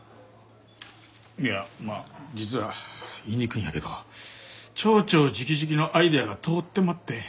いやまあ実は言いにくいんやけど町長直々のアイデアが通ってまって。